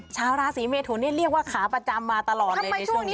ชาวราศีเมทุนนี่เรียกว่าขาประจำมาตลอดเลยในช่วงนี้